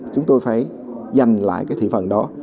chúng tôi phải dành lại thị phần đó